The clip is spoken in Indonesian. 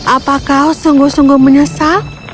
apakah sungguh sungguh menyesal